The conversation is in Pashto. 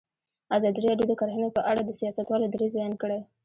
ازادي راډیو د کرهنه په اړه د سیاستوالو دریځ بیان کړی.